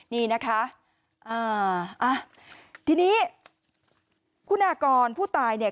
นี่นะคะอ่าอ่ะทีนี้คุณากรผู้ตายเนี่ย